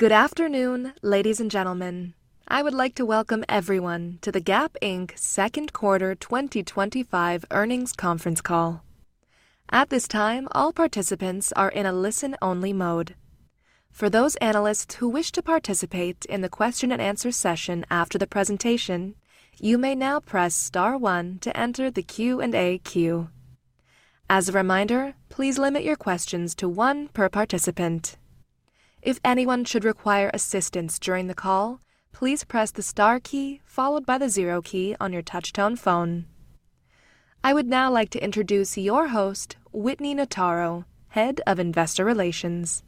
Good afternoon, ladies and gentlemen. I would like to welcome everyone. The Gap Inc. second quarter 2025 earnings conference call. At this time, all participants are in a listen-only mode. For those analysts who wish to participate in the question and answer session after the presentation, you may now press star one. To enter the Q&A queue. As a reminder, please limit your questions to one per participant. If anyone should require assistance during the call, please press the star key followed by the zero key on your touchtone phone. I would now like to introduce your host, Whitney Notaro, Head of Investor Relations.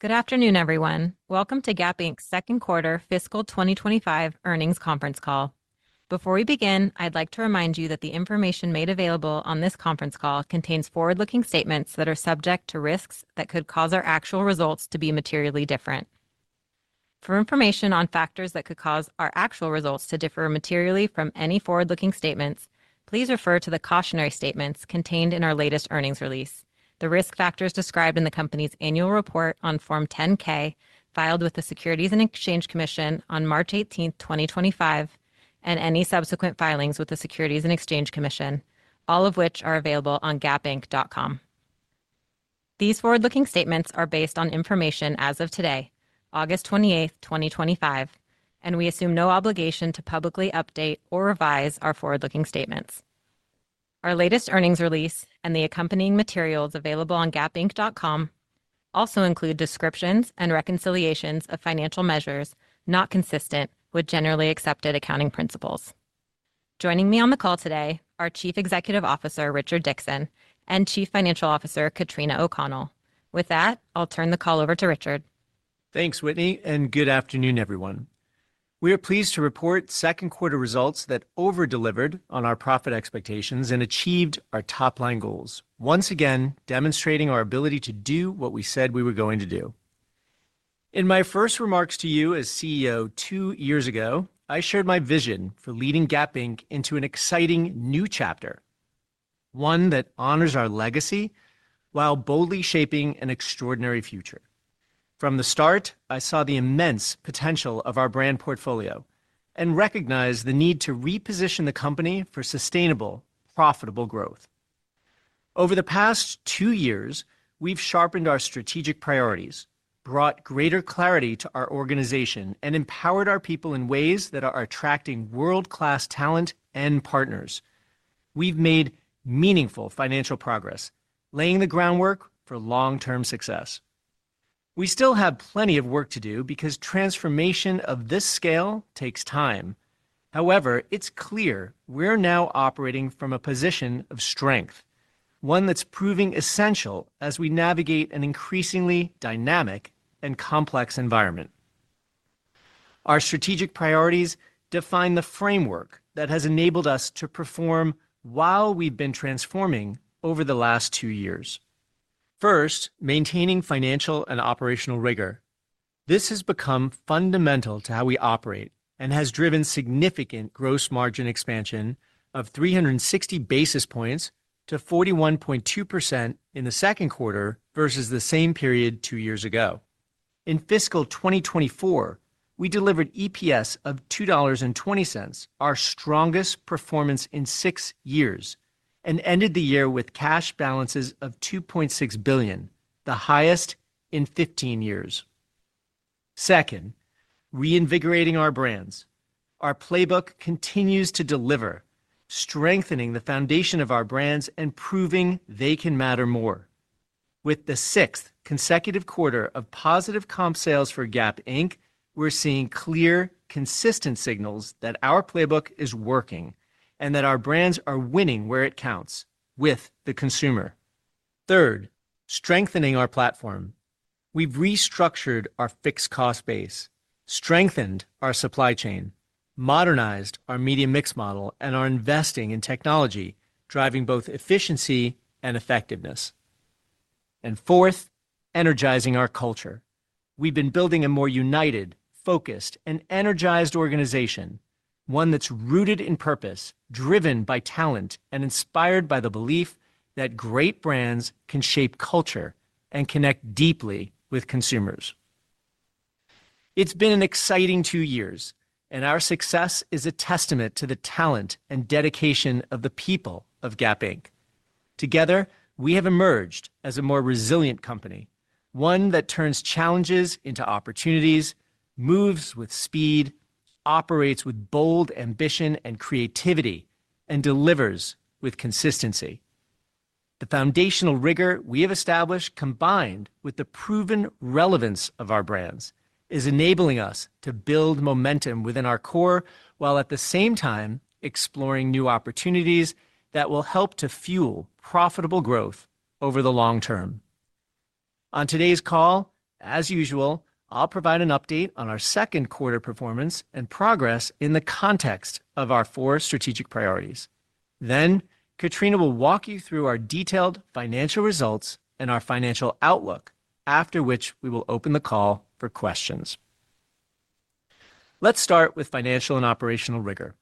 Good afternoon everyone. Welcome to Gap Inc.'s second quarter fiscal 2025 earnings conference call. Before we begin, I'd like to remind you that the information made available on this conference call contains forward-looking statements that are subject to risks and that could cause our actual results to be materially different. For information on factors that could cause our actual results to differ materially from any forward-looking statements, please refer to the cautionary statements contained in our latest earnings release, the risk factors described in the Company's annual report on Form 10-K filed with the Securities and Exchange Commission on March 18, 2025, and any subsequent filings with the Securities and Exchange Commission, all of which are available on gapinc.com. These forward-looking statements are based on information as of today, August 28th, 2025, and we assume no obligation to publicly update or revise our forward-looking statements. Our latest earnings release and the accompanying materials available on gapinc.com also include descriptions and reconciliations of financial measures not consistent with generally accepted accounting principles. Joining me on the call today are Chief Executive Officer Richard Dickson and Chief Financial Officer Katrina O'Connell. With that, I'll turn the call over to Richard. Thanks Whitney and good afternoon everyone. We are pleased to report second quarter results that over delivered on our profit expectations and achieved our top line goals, once again demonstrating our ability to do what we said we were going to do. In my first remarks to you as CEO two years ago, I shared my vision for leading Gap Inc. into an exciting new chapter, one that honors our legacy while boldly shaping an extraordinary future. From the start, I saw the immense potential of our brand portfolio and recognized the need to reposition the company for sustainable profitable growth. Over the past two years we've sharpened our strategic priorities, brought greater clarity to our organization, and empowered our people in ways that are attracting world class talent and partners. We've made meaningful financial progress, laying the groundwork for long term success. We still have plenty of work to do because transformation of this scale takes time. However, it's clear we're now operating from a position of strength, one that's proving essential as we navigate an increasingly dynamic and complex environment. Our strategic priorities define the framework that has enabled us to perform while we've been transforming over the last two years. First, maintaining financial and operational rigor. This has become fundamental to how we operate and has driven significant gross margin expansion of 360 basis points to 41.2% in the second quarter versus the same period two years ago. In fiscal 2024, we delivered EPS of $2.2, our strongest performance in six years, and ended the year with cash balances of $2.6 billion, the highest in 15 years. Second, reinvigorating our brands. Our playbook continues to deliver, strengthening the foundation of our brands and proving they can matter more with the sixth consecutive quarter of positive comp sales for Gap Inc. We're seeing clear, consistent signals that our playbook is working and that our brands are winning where it counts with the consumer. Third, strengthening our platform. We've restructured our fixed cost base, strengthened our supply chain, modernized our media mix model, and are investing in technology driving both efficiency and effectiveness. Fourth, energizing our culture. We've been building a more united, focused, and energized organization, one that's rooted in purpose, driven by talent, and inspired by the belief that great brands can shape culture and connect deeply with consumers. It's been an exciting two years and our success is a testament to the talent and dedication of the people of Gap Inc. Together, we have emerged as a more resilient company, one that turns challenges into opportunities, moves with speed, operates with bold ambition and creativity, and delivers with consistency. The foundational rigor we have established, combined with the proven relevance of our brands, is enabling us to build momentum within our core while at the same time exploring new opportunities that will help to fuel profitable growth over the long term. On today's call, as usual, I'll provide an update on our second quarter performance and progress in the context of our four strategic priorities. Katrina will walk you through our detailed financial results and our financial outlook, after which we will open the call for questions. Let's start with financial and operational rigor.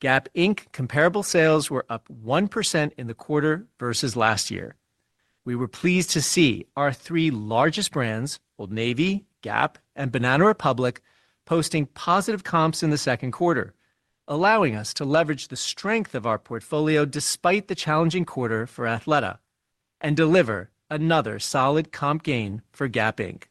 Gap Inc. comparable sales were up 1% in the quarter versus last year. We were pleased to see our three largest brands, Old Navy, Gap, and Banana Republic, posting positive comps in the second quarter, allowing us to leverage the strength of our portfolio despite the challenging quarter for Athleta and deliver another solid comp gain for Gap Inc.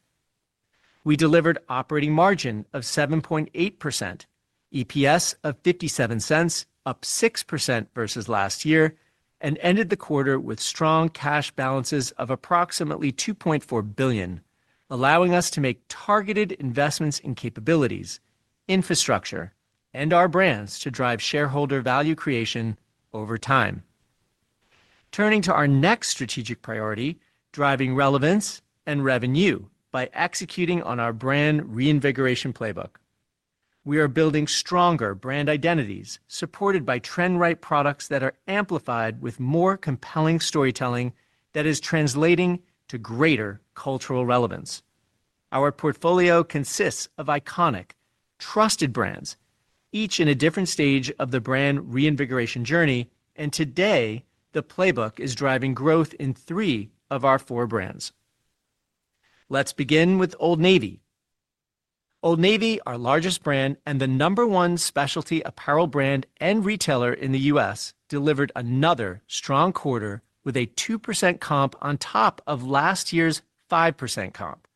We delivered operating margin of 7.8%, EPS of $0.57, up 6% versus last year, and ended the quarter with strong cash balances of approximately $2.4 billion, allowing us to make targeted investments in capabilities, infrastructure, and our brands to drive shareholder value creation over time. Turning to our next strategic priority, driving relevance and revenue by executing on our brand Reinvigoration Playbook, we are building stronger brand identities supported by trend-right products that are amplified with more compelling storytelling that is translating to greater cultural relevance. Our portfolio consists of iconic, trusted brands, each in a different stage of the brand reinvigoration journey, and today the playbook is driving growth in three of our four brands. Let's begin with Old Navy. Old Navy, our largest brand and the number one specialty apparel brand and retailer in the U.S., delivered another strong quarter with a 2% comp on top of last year's 5% comp.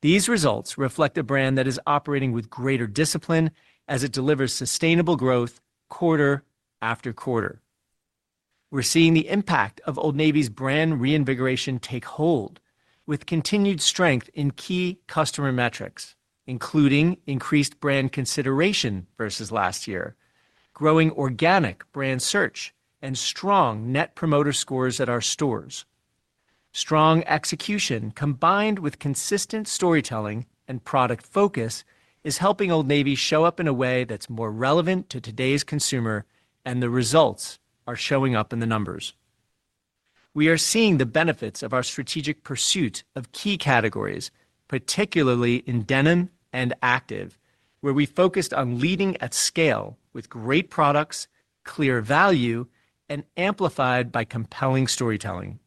These results reflect a brand that is operating with greater discipline as it delivers sustainable growth. Quarter after quarter, we're seeing the impact of Old Navy's brand reinvigoration take hold with continued strength in key customer metrics, including increased brand consideration versus last year, growing organic brand search, and strong Net Promoter Scores at our stores. Strong execution combined with consistent storytelling and product focus is helping Old Navy show up in a way that's more relevant to today's consumer, and the results are showing up in the numbers. We are seeing the benefits of our strategic pursuit of key categories, particularly in denim and active, where we focused on leading at scale with great products, clear value, and amplified by compelling storytelling.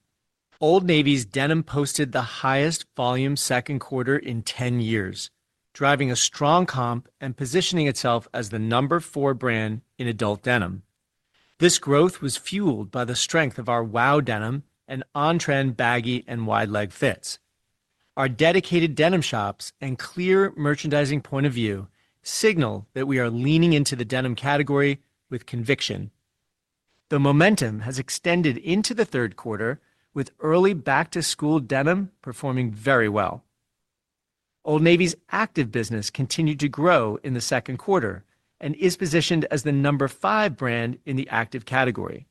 Old Navy's denim posted the highest volume second quarter in 10 years, driving a strong comp and positioning itself as the number four brand in adult denim. This growth was fueled by the strength of our Wow Denim and on-trend baggy and wide-leg fits. Our dedicated denim shops and clear merchandising point of view signal that we are leaning into the denim category with conviction. The momentum has extended into the third quarter with early back-to-school denim performing very well. Old Navy's active business continued to grow in the second quarter and is positioned as the number five brand in the active category.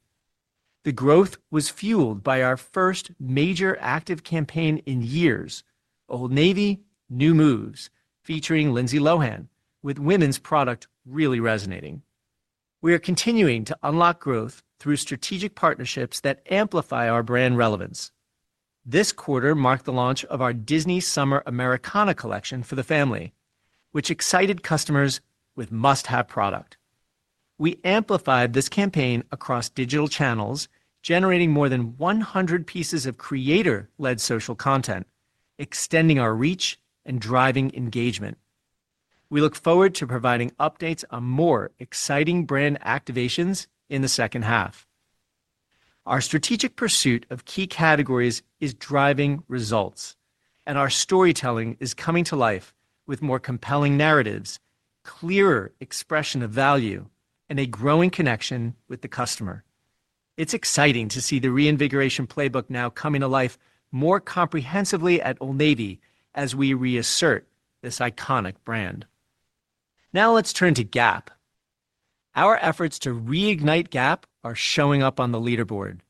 The growth was fueled by our first major active campaign in years, Old Navy New Moves featuring Lindsay Lohan. With women's product really resonating, we are continuing to unlock growth through strategic partnerships that amplify our brand relevance. This quarter marked the launch of our Disney Summer Americana collection for the family, which excited customers with must-have product. We amplified this campaign across digital channels, generating more than 100 pieces of creator-led social content, extending our reach and driving engagement. We look forward to providing updates on more exciting brand activations in the second half. Our strategic pursuit of key categories is driving results, and our storytelling is coming to life with more compelling narratives, clearer expression of value, and a growing connection with the customer. It's exciting to see the Reinvigoration Playbook now coming to life more comprehensively at Old Navy as we reassert this iconic brand. Now let's turn to Gap. Our efforts to reignite Gap are showing up on the leaderboard.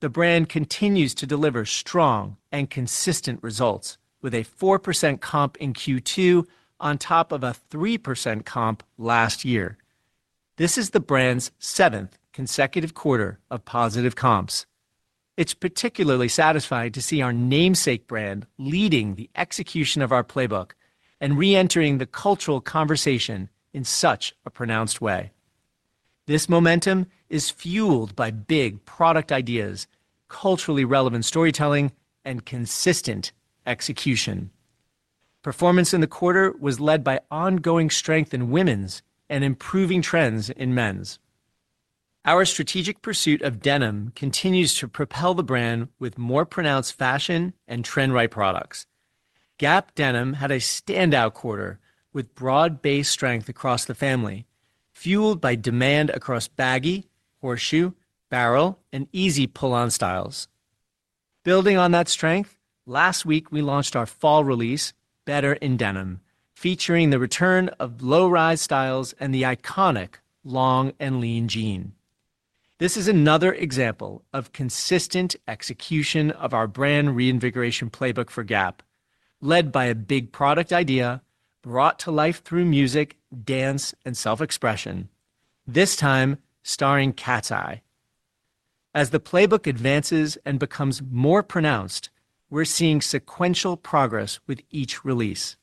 The brand continues to deliver strong and consistent results with a 4% comp in Q2 on top of a 3% comp last year. This is the brand's seventh consecutive quarter of positive comps. It's particularly satisfying to see our namesake brand leading the execution of our playbook and re-entering the cultural conversation in such a pronounced way. This momentum is fueled by big product ideas, culturally relevant storytelling, and consistent execution. Performance in the quarter was led by ongoing strength in women's and improving trends in men's. Our strategic pursuit of denim continues to propel the brand with more pronounced fashion and trend-right products. Gap Denim had a standout quarter with broad-based strength across the family fueled by demand across baggy, Horseshoe, barrel, and easy pull-on styles. Building on that strength, last week we launched our fall release Better in Denim featuring the return of low-rise styles and the iconic long and lean jean. This is another example of consistent execution of our brand Reinvigoration Playbook for Gap, led by a big product idea brought to life through music, dance, and self-expression, this time starring Cat’s eye. As the playbook advances and becomes more pronounced, we're seeing sequential progress with each release.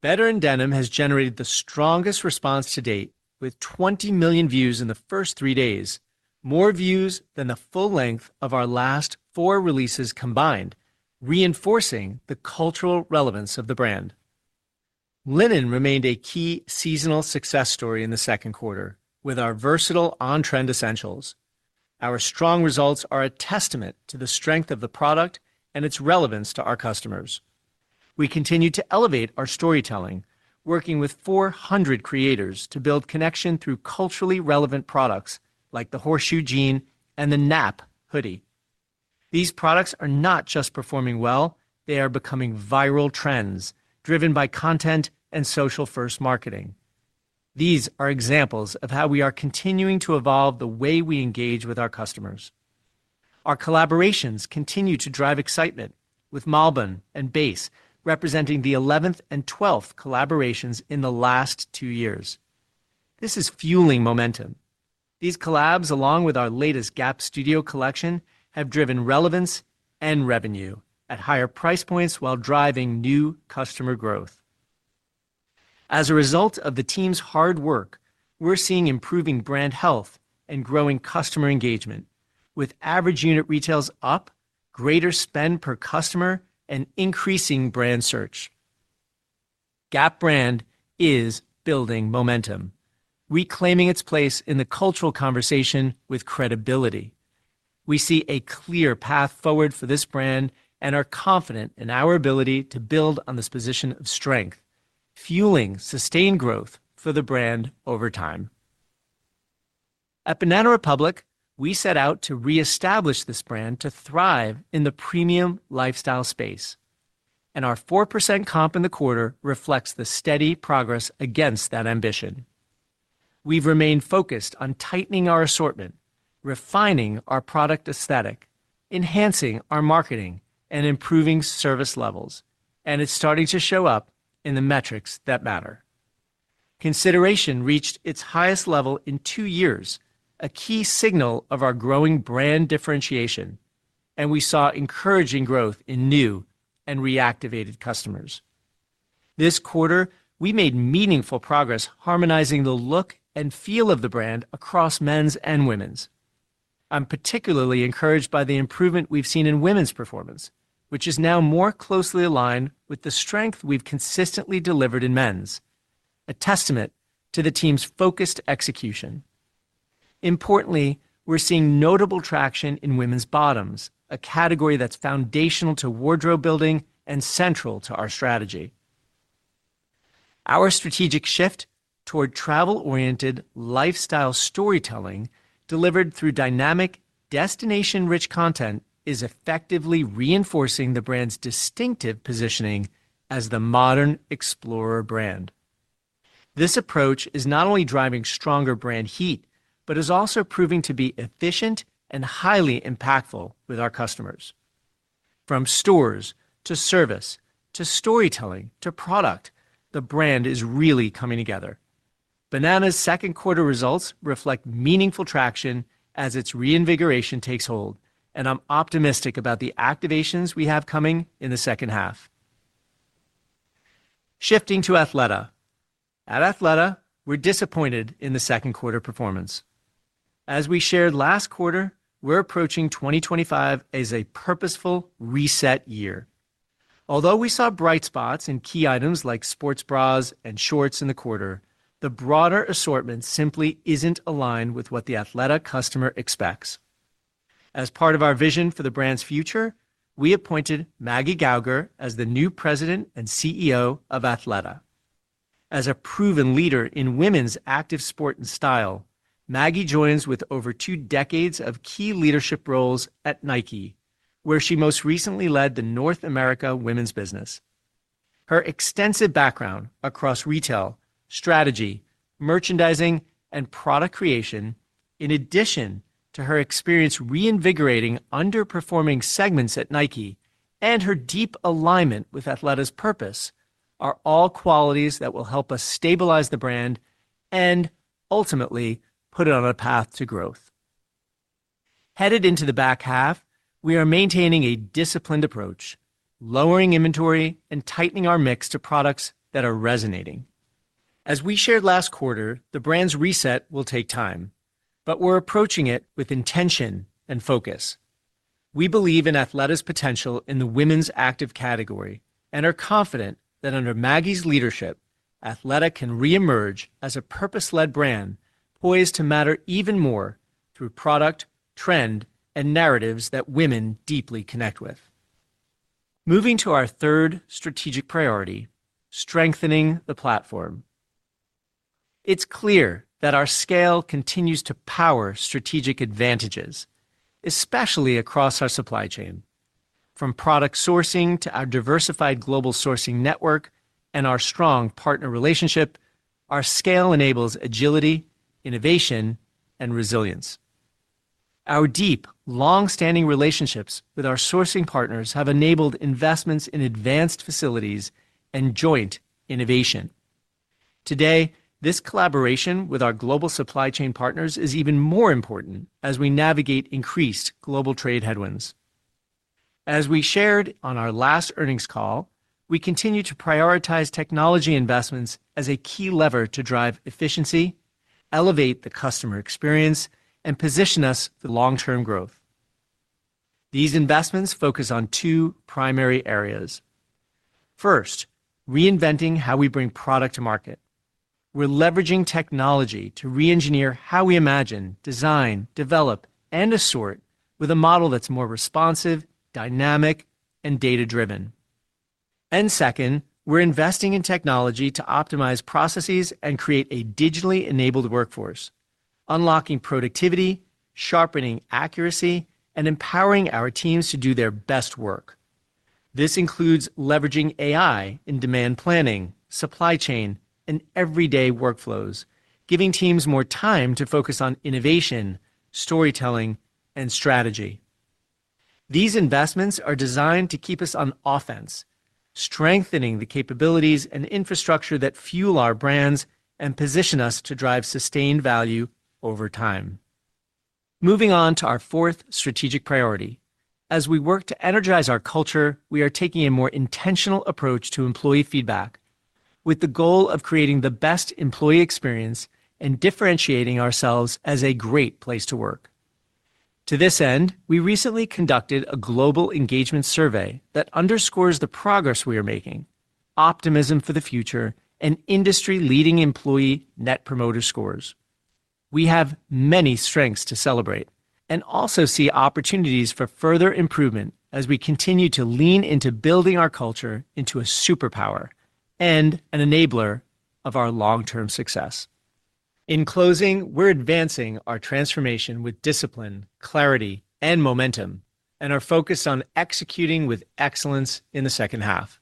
Better in Denim has generated the strongest response to date with 20 million views in the first three days. More views than the full length of our last four releases combined, reinforcing the cultural relevance of the brand. Linen remained a key seasonal success story in the second quarter with our versatile on-trend essentials. Our strong results are a testament to the strength of the product and its relevance to our customers. We continue to elevate our storytelling, working with 400 creators to build connection through culturally relevant products like the Horseshoe Jean and the NAP Oodie These products are not just performing well, they are becoming viral trends driven by content and social-first marketing. These are examples of how we are continuing to evolve the way we engage with our customers. Our collaborations continue to drive excitement with Malbon and Base representing the 11th and 12th collaborations in the last two years. This is fueling momentum. These collabs, along with our latest Gap Studio Collection, have driven relevance and revenue at higher price points while driving new customer growth. As a result of the team's hard work, we're seeing improving brand health and growing customer engagement. With average unit retails up, greater spend per customer, and increasing brand search, Gap Brand is building momentum, reclaiming its place in the cultural conversation with credibility. We see a clear path forward for this brand and are confident in our ability to build on this position of strength, fueling sustained growth for the brand over time. At Banana Republic, we set out to re-establish this brand to thrive in the premium lifestyle space, and our 4% comp in the quarter reflects the steady progress against that ambition. We've remained focused on tightening our assortment, refining our product aesthetic, enhancing our marketing, and improving service levels, and it's starting to show up in the metrics that matter. Consideration reached its highest level in two years, a key signal of our growing brand differentiation, and we saw encouraging growth in new and reactivated customers. This quarter, we made meaningful progress harmonizing the look and feel of the brand across men's and women's. I'm particularly encouraged by the improvement we've seen in women's performance, which is now more closely aligned with the strength we've consistently delivered in men's, a testament to the team's focused execution. Importantly, we're seeing notable traction in women's bottoms, a category that's foundational to wardrobe building and central to our strategy. Our strategic shift toward travel-oriented lifestyle storytelling, delivered through dynamic, destination-rich content, is effectively reinforcing the brand's distinctive positioning as the modern explorer brand. This approach is not only driving stronger brand heat, but is also proving to be efficient and highly impactful with our customers. From stores to service to storytelling to product, the brand is really coming together. Banana's second quarter results reflect meaningful traction as its reinvigoration takes hold, and I'm optimistic about the activations we have coming in the second half. Shifting to Athleta, at Athleta, we're disappointed in the second quarter performance. As we shared last quarter, we're approaching 2025 as a purposeful reset year. Although we saw bright spots in key items like sports bras and shorts in the quarter, the broader assortment simply isn't aligned with what the Athleta customer expects. As part of our vision for the brand's future, we appointed Maggie Gauger as the new President and CEO of Athleta. As a proven leader in women's active sport and style, Maggie Gauger joins with over two decades of key leadership roles at Nike, where she most recently led the North America Women's Business. Her extensive background across retail strategy, merchandising, and product creation, in addition to her experience reinvigorating underperforming segments at Nike and her deep alignment with Athleta's purpose, are all qualities that will help us stabilize the brand and ultimately put it on a path to growth. Headed into the back half, we are maintaining a disciplined approach, lowering inventory, and tightening our mix to products that are resonating. As we shared last quarter, the brand's reset will take time, but we're approaching it with intention and focus. We believe in Athleta's potential in the women's Active category and are confident that under Maggie's leadership, Athleta can re-emerge as a purpose-led brand poised to matter even more through product trend and narratives that women deeply connect with. Moving to our third strategic priority, strengthening the platform, it's clear that our scale continues to power strategic advantages, especially across our supply chain. From product sourcing to our diversified global sourcing network and our strong partner relationships, our scale enables agility, innovation, and resilience. Our deep, long-standing relationships with our sourcing partners have enabled investments in advanced facilities and joint innovation. Today, this collaboration with our global supply chain partners is even more important as we navigate increased global trade headwinds. As we shared on our last earnings call, we continue to prioritize technology investments as a key lever to drive efficiency, elevate the customer experience, and position us for long-term growth. These investments focus on two primary areas. First, reinventing how we bring product to market. We're leveraging technology to re-engineer how we imagine, design, develop, and assort with a model that's more responsive, dynamic, and data-driven. Second, we're investing in technology to optimize processes and create a digitally enabled workforce, unlocking productivity, sharpening accuracy, and empowering our teams to do their best work. This includes leveraging AI in demand planning, supply chain, and everyday workflows, giving teams more time to focus on innovation, storytelling, and strategy. These investments are designed to keep us on offense, strengthening the capabilities and infrastructure that fuel our brands and position us to drive sustained value over time. Moving on to our fourth strategic priority as we work to energize our culture, we are taking a more intentional approach to employee feedback with the goal of creating the best employee experience and differentiating ourselves as a great place to work. To this end, we recently conducted a global engagement survey that underscores the progress we are making, optimism for the future, and industry-leading employee Net Promoter Scores. We have many strengths to celebrate and also see opportunities for further improvement as we continue to lean into building our culture into a superpower and an enabler of our long-term success. In closing, we're advancing our transformation with discipline, clarity, and momentum and are focused on executing with excellence in the second half.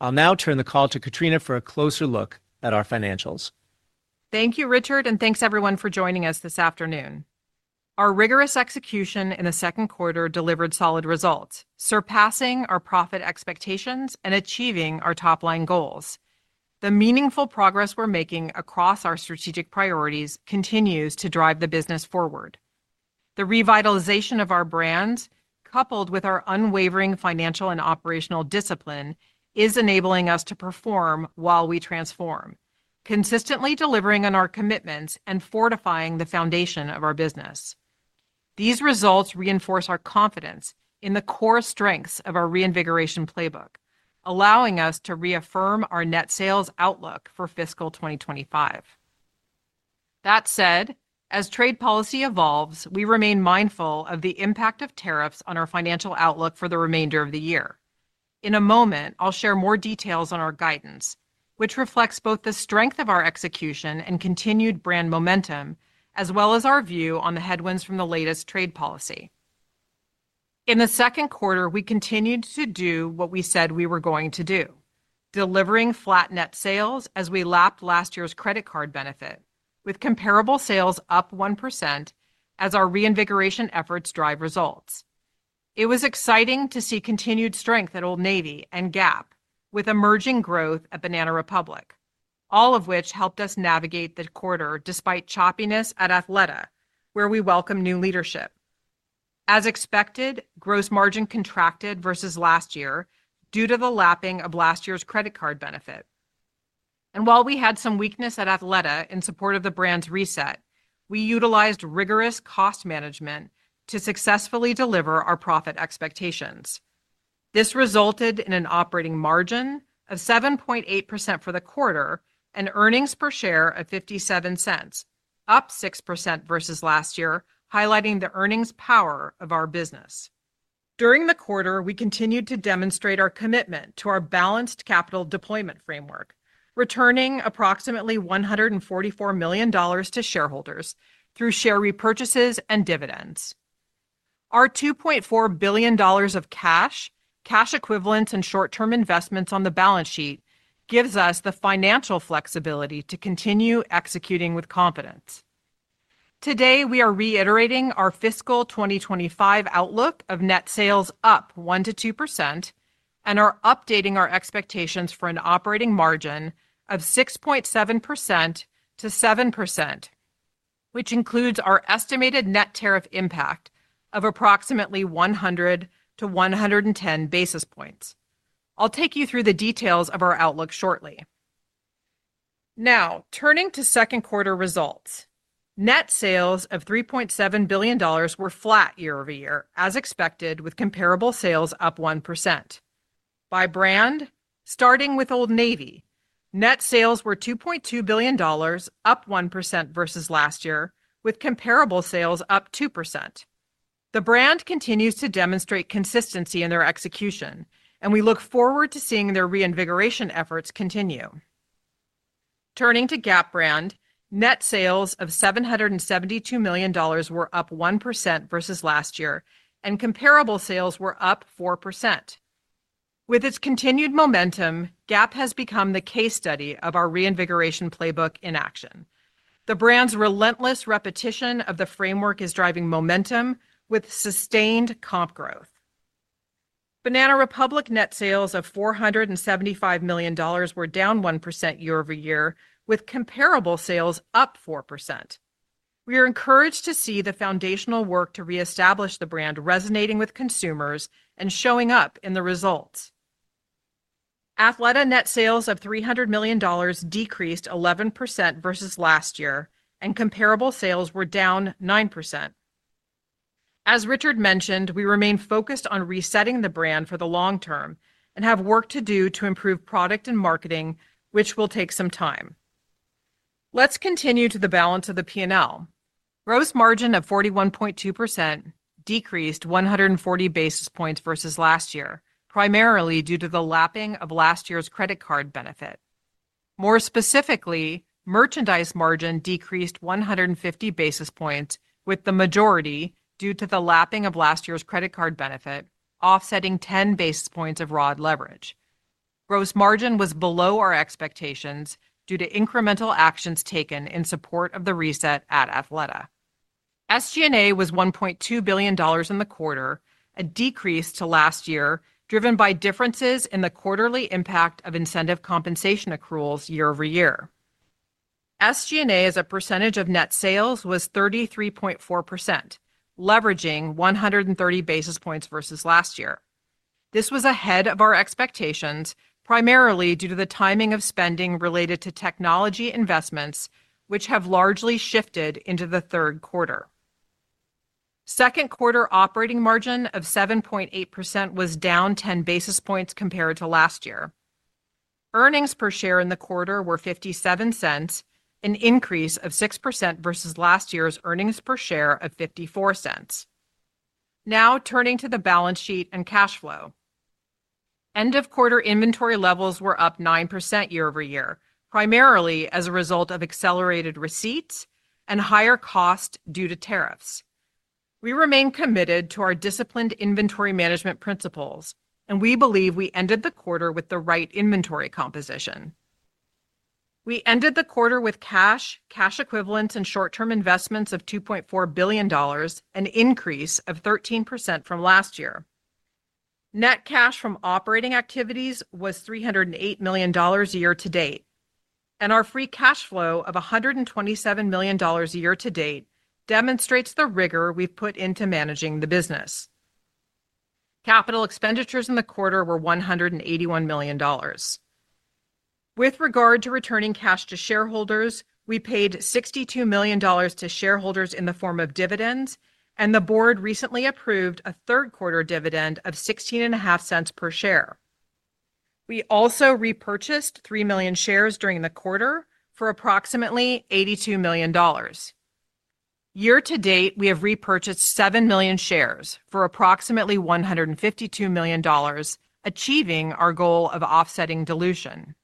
I'll now turn the call to Katrina for a closer look at our financials. Thank you, Richard, and thanks everyone for joining us this afternoon. Our rigorous execution in the second quarter delivered solid results, surpassing our profit expectations and achieving our top line goals. The meaningful progress we're making across our strategic priorities continues to drive the business forward. The revitalization of our brands, coupled with our unwavering financial and operational discipline, is enabling us to perform while we transform, consistently delivering on our commitments and fortifying the foundation of our business. These results reinforce our confidence in the core strengths of our Reinvigoration Playbook, allowing us to reaffirm our net sales outlook for fiscal 2025. That said, as trade policy evolves, we remain mindful of the impact of tariffs on our financial outlook for the remainder of the year. In a moment, I'll share more details on our guidance, which reflects both the strength of our execution and continued brand momentum, as well as our view on the headwinds from the latest trade policy. In the second quarter, we continued to do what we said we were going to do, delivering flat net sales as we lapped last year's credit card benefit with comparable sales up 1%. As our reinvigoration efforts drive results, it was exciting to see continued strength at Old Navy and Gap with emerging growth at Banana Republic, all of which helped us navigate the quarter despite choppiness at Athleta, where we welcomed new leadership. As expected, gross margin contracted versus last year due to the lapping of last year's credit card benefit. While we had some weakness at Athleta in support of the brand's reset, we utilized rigorous cost management to successfully deliver our profit expectations. This resulted in an operating margin of 7.8% for the quarter and earnings per share of $0.57, up 6% versus last year, highlighting the earnings power of our business. During the quarter, we continued to demonstrate our commitment to our balanced capital deployment framework, returning approximately $144 million to shareholders through share repurchases and dividends. Our $2.4 billion of cash, cash equivalents, and short term investments on the balance sheet gives us the financial flexibility to continue executing with confidence. Today we are reiterating our fiscal 2025 outlook of net sales up 1 to 2% and are updating our expectations for an operating margin of 6.7%-7%, which includes our estimated net tariff impact of approximately 100-110 basis points. I'll take you through the details of our outlook shortly. Now turning to second quarter results, net sales of $3.7 billion were flat year-over-year as expected, with comparable sales up 1% by brand. Starting with Old Navy, net sales were $2.2 billion, up 1% versus last year with comparable sales up 2%. The brand continues to demonstrate consistency in their execution and we look forward to seeing their reinvigoration efforts continue. Turning to Gap brand, net sales of $772 million were up 1% versus last year and comparable sales were up 4%. With its continued momentum, Gap has become the case study of our Reinvigoration Playbook in action. The brand's relentless repetition of the framework is driving momentum with sustained comp growth. Banana Republic net sales of $475 million were down 1% year-over-year with comparable sales up 4%. We are encouraged to see the foundational work to re-establish the brand resonating with consumers and showing up in the results. Athleta net sales of $300 million decreased 11% versus last year and comparable sales were down 9%. As Richard mentioned, we remain focused on resetting the brand for the long term and have work to do to improve product and marketing which will take some time. Let's continue to the balance of the P&L. Gross margin of 41.2% decreased 140 basis points versus last year primarily due to the lapping of last year's credit card benefit. More specifically, merchandise margin decreased 150 basis points with the majority due to the lapping of last year's credit card benefit, offsetting 10 basis points of rent leverage. Gross margin was below our expectations due to incremental actions taken in support of the reset at Athleta. SG&A was $1.2 billion in the quarter, a decrease to last year driven by differences in the quarterly impact of incentive compensation accruals year-over-year. SG&A as a percentage of net sales was 33.4%, leveraging 130 basis points versus last year. This was ahead of our expectations primarily due to the timing of spending related to technology investments which have largely shifted into the third quarter. Second quarter operating margin of 7.8% was down 10 basis points compared to last year. Earnings per share in the quarter were $0.57, an increase of 6% versus last year's earnings per share of $0.54. Now turning to the balance sheet and cash flow, end of quarter inventory levels were up 9% year-over-year, primarily as a result of accelerated receipts and higher cost due to tariffs. We remain committed to our disciplined inventory management principles, and we believe we ended the quarter with the right inventory composition. We ended the quarter with cash, cash equivalents, and short term investments of $2.4 billion, an increase of 13% from last year. Net cash from operating activities was $308 million year to date, and our free cash flow of $127 million year to date demonstrates the rigor we've put into managing the business. Capital expenditures in the quarter were $181 million. With regard to returning cash to shareholders, we paid $62 million to shareholders in the form of dividends, and the board recently approved a third quarter dividend of $0.165 per share. We also repurchased 3 million shares during the quarter for approximately $82 million. Year to date, we have repurchased 7 million shares for approximately $152 million, achieving our goal of offsetting dilution.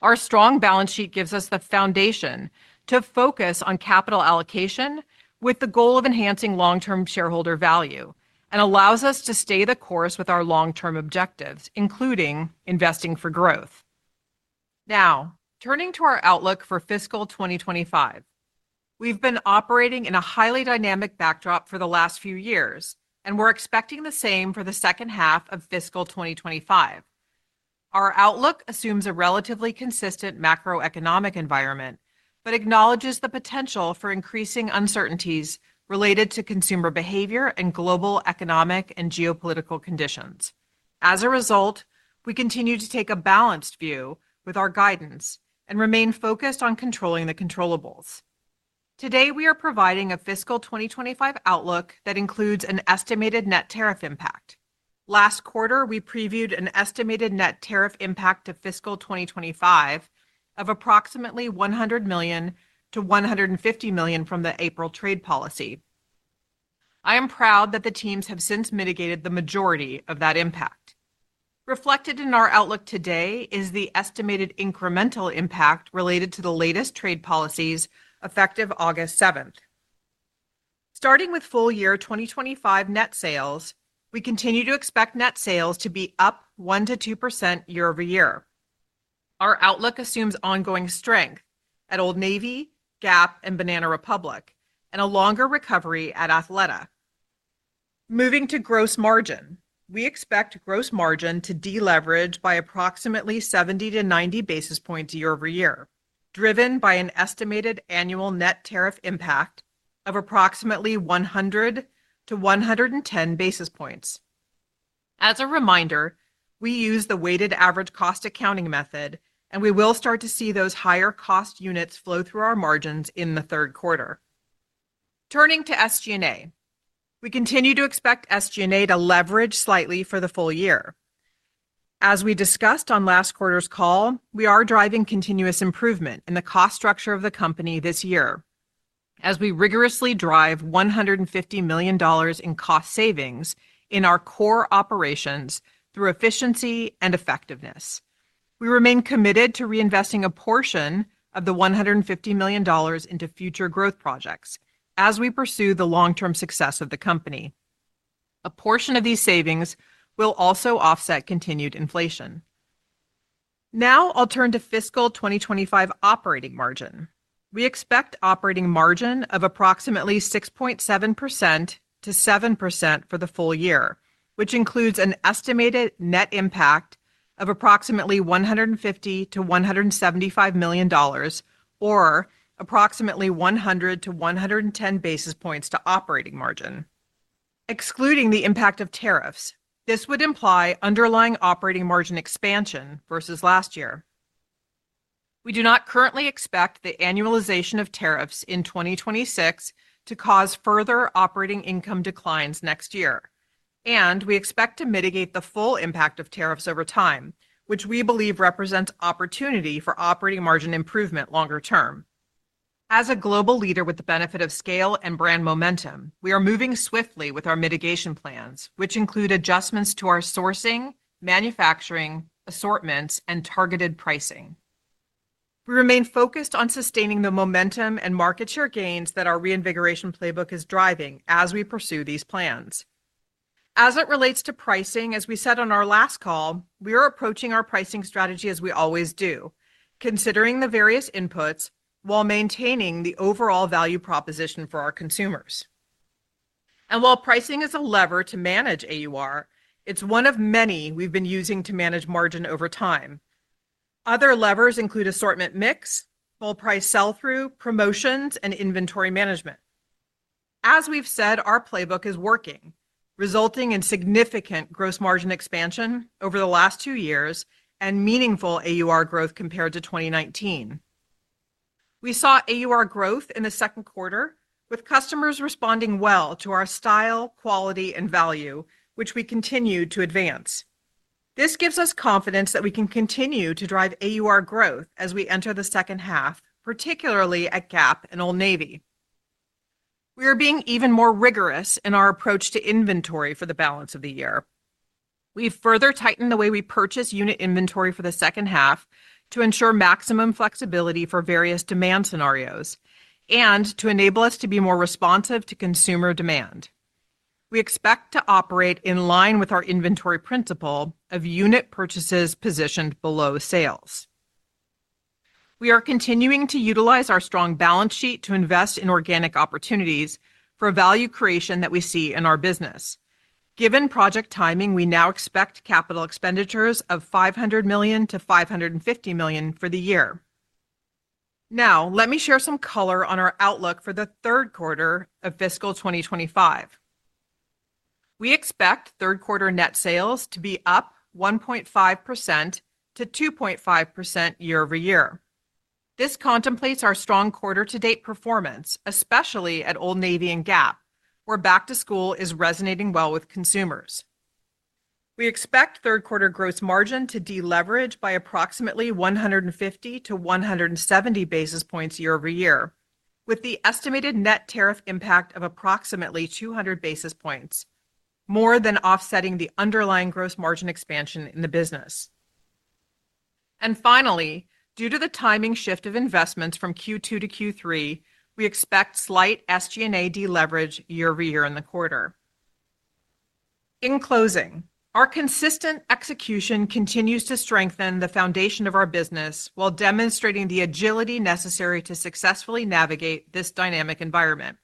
Our strong balance sheet gives us the foundation to focus on capital allocation with the goal of enhancing long term shareholder value and allows us to stay the course with our long term objectives, including investing for growth. Now turning to our outlook for fiscal 2025, we've been operating in a highly dynamic backdrop for the last few years, and we're expecting the same for the second half of fiscal 2025. Our outlook assumes a relatively consistent macroeconomic environment, but acknowledges the potential for increasing uncertainties related to consumer behavior and global economic and geopolitical conditions. As a result, we continue to take a balanced view with our guidance and remain focused on controlling the controllables. Today we are providing a fiscal 2025 outlook that includes an estimated net tariff impact. Last quarter, we previewed an estimated net tariff impact for fiscal 2025 of approximately $100 million-$150 million from the April trade policy. I am proud that the teams have since mitigated the majority of that impact. Reflected in our outlook today is the estimated incremental impact related to the latest trade policies effective August 7th. Starting with full year 2025 net sales, we continue to expect net sales to be up 1%-2% year-over-year. Our outlook assumes ongoing strength at Old Navy, Gap, and Banana Republic and a longer recovery at Athleta. Moving to gross margin, we expect gross margin to deleverage by approximately 70-90 basis points year-over-year, driven by an estimated annual net tariff impact of approximately 100-110 basis points. As a reminder, we use the weighted average cost accounting method, and we will start to see those higher cost units flow through our margins in the third quarter. Turning to SG&A, we continue to expect SG&A to leverage slightly for the full year. As we discussed on last quarter's call, we are driving continuous improvement in the cost structure of the company this year as we rigorously drive $150 million in cost savings in our core operations through efficiency and effectiveness. We remain committed to reinvesting a portion of the $150 million into future growth projects as we pursue the long-term success of the company. A portion of these savings will also offset continued inflation. Now I'll turn to fiscal 2025 operating margin. We expect operating margin of approximately 6.7%-7% for the full year, which includes an estimated net impact of approximately $150-$175 million or approximately 100-110 basis points to operating margin excluding the impact of tariffs. This would imply underlying operating margin expansion versus last year. We do not currently expect the annualization of tariffs in 2026 to cause further operating income declines next year, and we expect to mitigate the full impact of tariffs over time, which we believe represents opportunity for operating margin improvement longer term. As a global leader with the benefit of scale and brand momentum, we are moving swiftly with our mitigation plans, which include adjustments to our sourcing, manufacturing, assortments, and targeted pricing. We remain focused on sustaining the momentum and market share gains that our Reinvigoration Playbook is driving as we pursue these plans as it relates to pricing. As we said on our last call, we are approaching our pricing strategy as we always do, considering the various inputs while maintaining the overall value proposition for our consumers. While pricing is a lever to manage AUR, it's one of many we've been using to manage margin over time. Other levers include assortment, mix, full price, sell through, promotions, and inventory management. As we've said, our playbook is working, resulting in significant gross margin expansion over the last two years and meaningful AUR growth compared to 2019. We saw AUR growth in the second quarter with customers responding well to our style, quality, and value, which we continue to advance. This gives us confidence that we can continue to drive AUR growth as we enter the second half. Particularly at Gap and Old Navy, we are being even more rigorous in our approach to inventory for the balance of the year. We further tightened the way we purchase unit inventory for the second half to ensure maximum flexibility for various demand scenarios and to enable us to be more responsive to consumer demand. We expect to operate in line with our inventory principle of unit purchases positioned below sales. We are continuing to utilize our strong balance sheet to invest in organic opportunities for value creation that we see in our business. Given project timing, we now expect capital expenditures of $500 million-$550 million for the year. Now let me share some color on our outlook for the third quarter of fiscal 2025. We expect third quarter net sales to be up 1.5%-2.5% year-over-year. This contemplates our strong quarter-to-date performance, especially at Old Navy and Gap where back to school is resonating well with consumers. We expect third quarter gross margin to deleverage by approximately 150-170 basis points year-over-year, with the estimated net tariff impact of approximately 200 basis points more than offsetting the underlying gross margin expansion in the business. Finally, due to the timing shift of investments from Q2 to Q3, we expect slight SG&A deleverage year-over-year in the quarter. In closing, our consistent execution continues to strengthen the foundation of our business while demonstrating the agility necessary to successfully navigate this dynamic environment.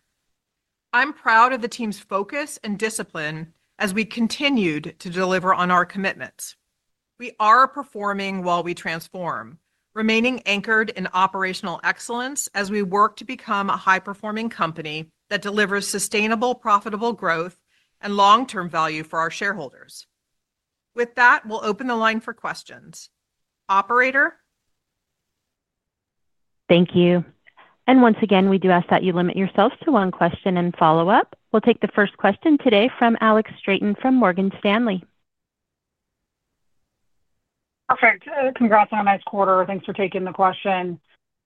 I'm proud of the team's focus and discipline as we continued to deliver on our commitments. We are performing while we transform, remaining anchored in operational excellence as we work to become a high-performing company that delivers sustainable, profitable growth and long-term value for our shareholders. With that, we'll open the line for questions. Operator. Thank you. Once again, we do ask that you limit yourselves to one question and follow-up. We'll take the first question today from Alex Straton from Morgan Stanley. Perfect. Congrats on a nice quarter. Thanks for taking the question.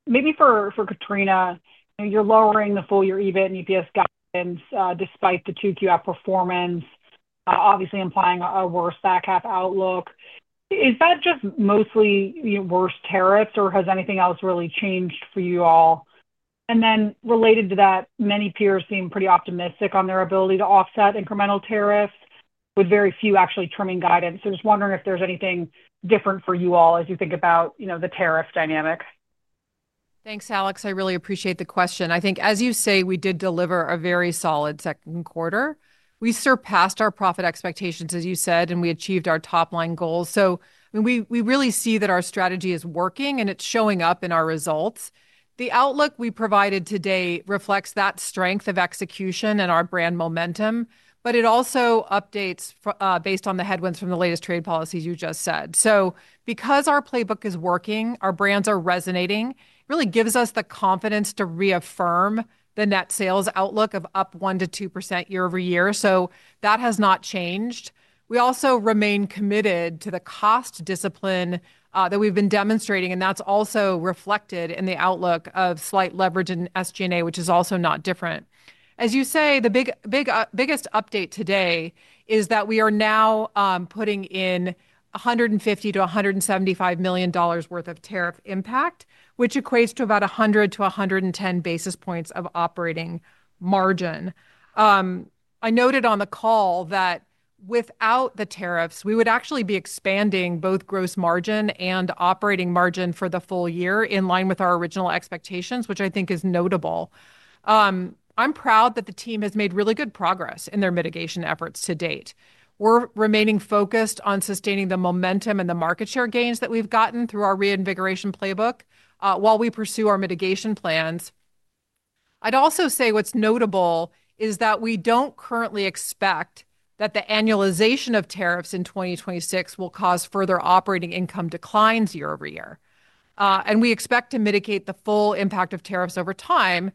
Maybe for Katrina, you're lowering the full year EBIT and EPS guidance despite the 2Q outperformance, obviously implying a worse back half outlook. Is that just mostly worse tariffs, or has anything else really changed for you all? Related to that, many peers seem pretty optimistic on their ability to offset incremental tariffs with very few actually trimming guidance. I'm just wondering if there's anything different for you all as you think about the tariff dynamic. Thanks, Alex, I really appreciate the question. I think as you say, we did deliver a very solid second quarter. We surpassed our profit expectations, as you said, and we achieved our top line goals. We really see that our strategy is working and it's showing up in our results. The outlook we provided today reflects that strength of execution and our brand momentum. It also updates based on the headwinds from the latest trade policies. You just said because our playbook is working, our brands are resonating, it really gives us the confidence to reaffirm the net sales outlook of up 1%-2% year-over-year. That has not changed. We also remain committed to the cost discipline that we've been demonstrating. That's also reflected in the outlook of slight leverage in SG&A, which is also not different, as you say. The biggest update today is that we are now putting in $150 million-$175 million worth of tariff impact, which equates to about 100-110 basis points of operating margin. I noted on the call that without the tariffs we would actually be expanding both gross margin and operating margin for the full year in line with our original expectations, which I think is notable. I'm proud that the team has made really good progress in their mitigation efforts to date. We're remaining focused on sustaining the momentum and the market share gains that we've gotten through our Reinvigoration Playbook while we pursue our mitigation plans. I'd also say what's notable is that we don't currently expect that the annualization of tariffs in 2026 will cause further operating income declines year-over-year. We expect to mitigate the full impact of tariffs over time,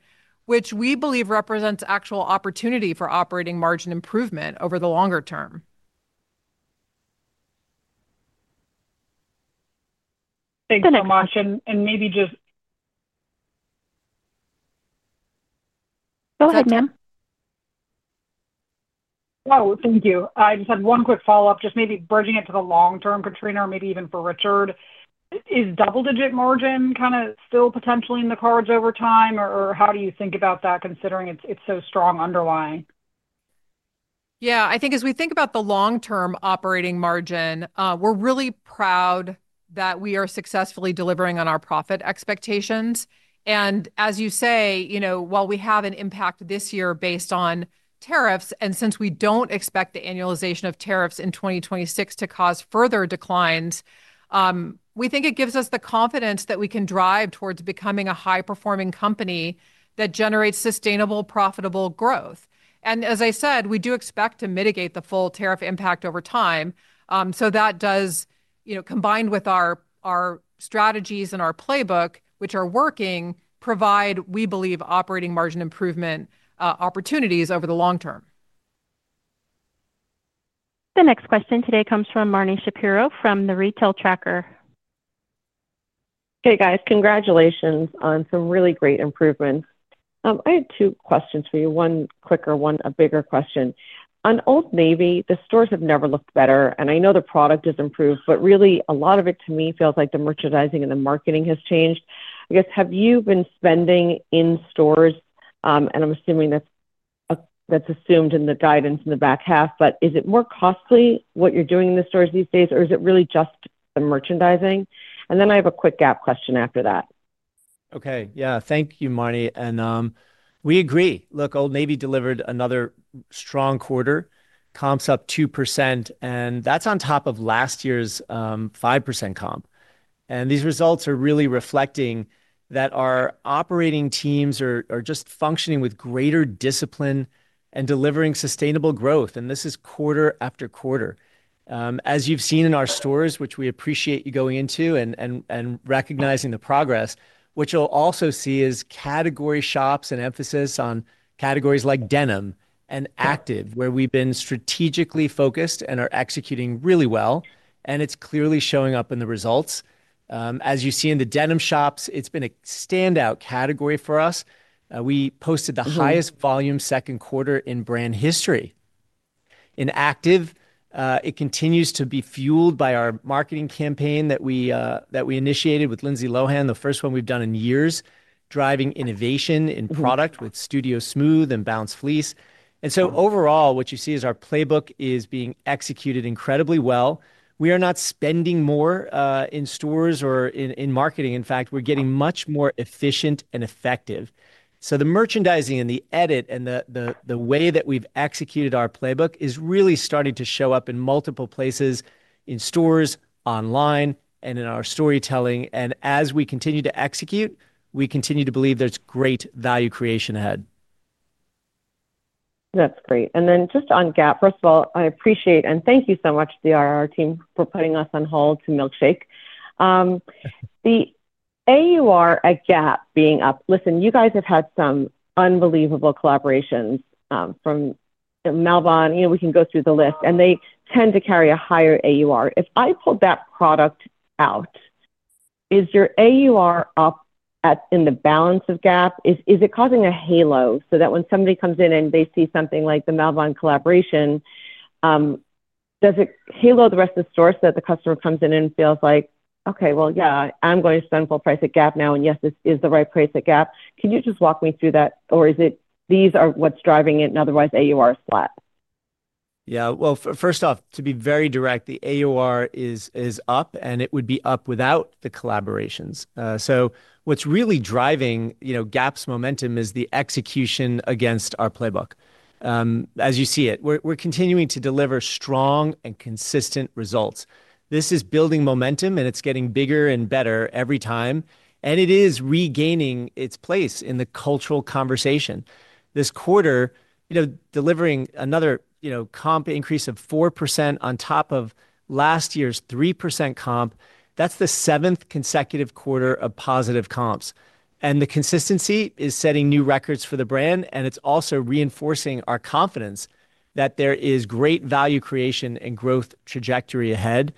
which we believe represents actual opportunity for operating margin improvement over the longer term. Thanks so much and maybe just go ahead. Oh, thank you. I just had one quick follow up. Just maybe bridging it to the long term. Katrina, or maybe even for Richard, is double digit margin kind of still potentially in the cards over time or how do you think about that considering it's so strong underlying? Yeah, I think as we think about the long term operating margin, we're really proud that we are successfully delivering on our profit expectations. As you say, while we have an impact this year based on tariffs, and since we don't expect the annualization of tariffs in 2026 to cause further declines, we think it gives us the confidence that we can drive towards becoming a high performing company that generates sustainable, profitable growth. As I said, we do expect to mitigate the full tariff impact over time. That does, combined with our strategies and our playbook which are working, provide, we believe, operating margin improvement opportunities over the long term. The next question today comes from Marni Shapiro from the Retail Tracker. Hey guys, congratulations on some really great improvements. I have two questions for you. One quicker, one a bigger question on Old Navy. The stores have never looked better, and I know the product has improved, but really a lot of it, to me, feels like the merchandising and the marketing has changed, I guess. Have you been spending in stores? I'm assuming that that's assumed in the guidance in the back half. Is it more costly what you're doing in the stores these days, or is it really just the merchandising? I have a quick Gap question after that. Okay. Yeah, thank you, Marni We agree, look, Old Navy delivered another strong quarter, comps up 2%, and that's on top of last year's 5% comp. These results are really reflecting that our operating teams are just functioning with greater discipline and delivering sustainable growth. This is quarter after quarter, as you've seen in our stores, which we appreciate you going into and recognizing the progress. What you'll also see is category shops and emphasis on categories like denim and active, where we've been strategically focused and are executing really well. It's clearly showing up in the results, as you see in the denim shops. It's been a standout category for us. We posted the highest volume second quarter in brand history in active. It continues to be fueled by our marketing campaign that we initiated with Lindsay Lohan, the first one we've done in years, driving innovation in product with Studio Smooth and Bounce Fleece. Overall, what you see is our playbook is being executed incredibly well. We are not spending more in stores or in marketing. In fact, we're getting much more efficient and effective. The merchandising and the edit and the way that we've executed our playbook is really starting to show up in multiple places, in stores, online, and in our storytelling. As we continue to execute, we continue to believe there's great value creation ahead. That's great. Just on Gap, first of all, I appreciate and thank you so much, the IR team, for putting us on hold to milkshake the AUR at Gap being up. Listen, you guys have had some unbelievable collaborations from Malbon. You know, we can go through the list, and they tend to carry a higher AUR. If I pulled that product out, is your AUR up in the balance of Gap? Is it causing a halo so that when somebody comes in and they see something like the Malbon collaboration, does it halo the rest of the store so that the customer comes in and feels like, okay, yeah, I'm going to spend full price at Gap now and yes, this is the right price at Gap. Can you just walk me through that or is it these are what's driving it and otherwise AUR is flat. Yeah, first off, to be very direct, the AUR is up and it would be up without the collaborations. What's really driving Gap's momentum is the execution against our playbook. As you see it, we're continuing to deliver strong and consistent results. This is building momentum and it's getting bigger and better every time. It is regaining its place in the cultural conversation this quarter, delivering another comp increase of 4% on top of last year's 3% comp. That's the seventh consecutive quarter of positive comps. The consistency is setting new records for the brand and it's also reinforcing our confidence that there is great value creation and growth trajectory ahead.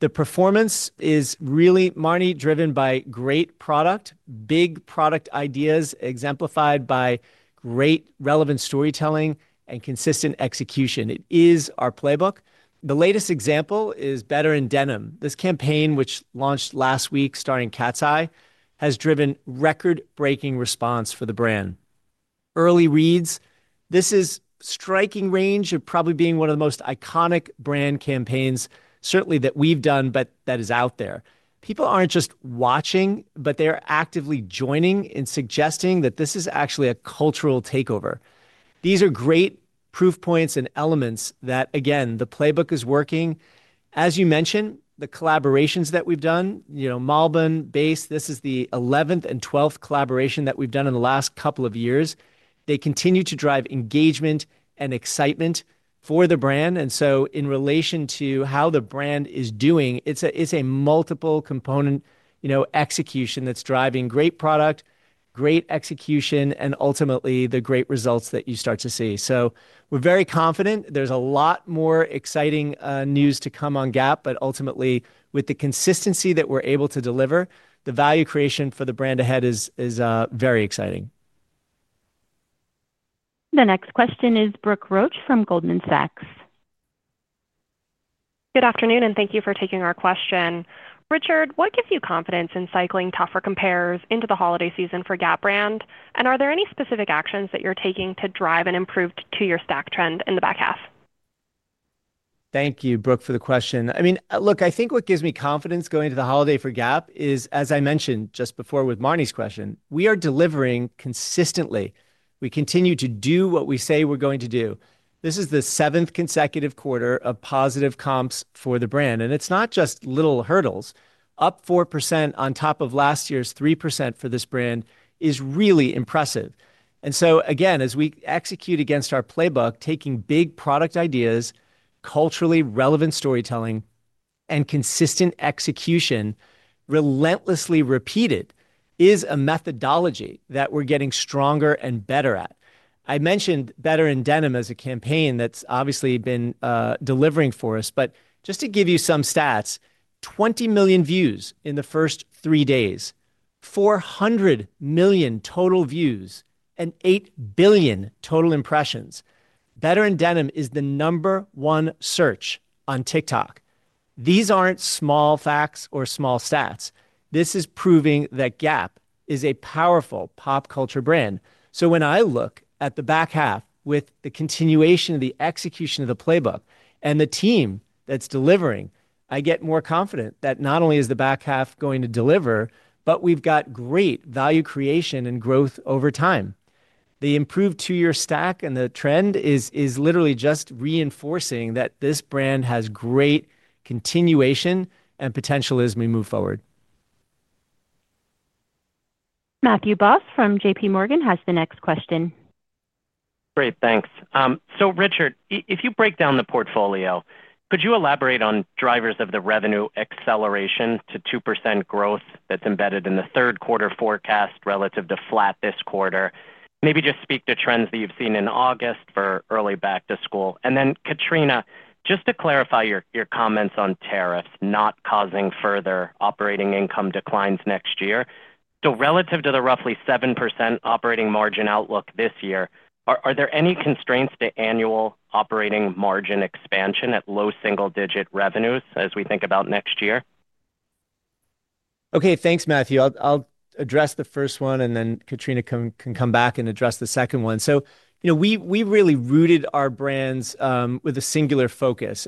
The performance is really mainly driven by great product, big product ideas exemplified by great relevant storytelling and consistent execution. It is our playbook. The latest example is “Better in Denim.” This campaign, which launched last week starring Cat’s Eye, has driven record-breaking response for the brand. Early reads, this is striking range of probably being one of the most iconic brand campaigns certainly that we've done that is out there. People aren't just watching but they're actively joining in, suggesting that this is actually a cultural takeover. These are great proof points and elements that again the playbook is working. As you mentioned, the collaborations that we've done, Malbon, Base, this is the 11th and 12th collaboration that we've done in the last couple of years. They continue to drive engagement and excitement for the brand. In relation to how the brand is doing, it's a multiple component execution that's driving great product, great execution and ultimately the great results that you start to see. We're very confident there's a lot more exciting news to come on Gap. Ultimately, with the consistency that we're able to deliver, the value creation for the brand ahead is very exciting. The next question is Brooke Roach from Goldman Sachs. Good afternoon and thank you for taking our question. Richard, what gives you confidence in cycling tougher compares into the holiday season for Gap brand? Are there any specific actions that you're taking to drive and improve to your stack trend in the back half? Thank you, Brooke, for the question. I mean, look, I think what gives me confidence going into the holiday for Gap is, as I mentioned just before with Marnie's question, we are delivering consistently. We continue to do what we say we're going to do. This is the seventh consecutive quarter of positive comps for the brand, and it's not just little hurdles up. 4% on top of last year's 3% for this brand is really impressive. As we execute against our playbook, taking big product ideas, culturally relevant storytelling, and consistent execution relentlessly repeated is a methodology that we're getting stronger and better at. I mentioned “Better in Denim” as a campaign that's obviously been delivering for us. Just to give you some stats, 20 million views in the first three days, 400 million total views, and 8 billion total impressions. “Better in Denim” is the number one search on TikTok. These aren't small facts or small stats. This is proving that Gap is a powerful pop culture brand. When I look at the back half, with the continuation of the execution of the playbook and the team that's delivering, I get more confident that not only is the back half going to deliver, but we've got great value creation and growth over time. The improved two-year stack and the trend is literally just reinforcing that this brand has great continuation and potential as we move forward. Matthew Boss from JPMorgan as the next question Great, thanks. Richard, if you break down the portfolio, could you elaborate on drivers of the revenue acceleration to 2% growth that's embedded in the third quarter forecast relative to flat this quarter? Maybe just speak to trends that you've seen in August for early back to school, and then Katrina, just to clarify your comments on tariffs not causing further operating income declines next year. Relative to the roughly 7% operating margin outlook this year, are there any constraints to annual operating margin expansion at low single digit revenues as we think about next year? Okay, thanks Matthew. I'll address the first one and then Katrina can come back and address the second one. We really rooted our brands with a singular focus.